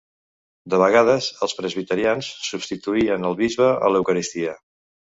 De vegades, els presbiterians substituïen el bisbe a l'eucaristia.